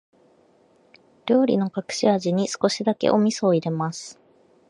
料理の隠し味に、少しだけお味噌を入れます。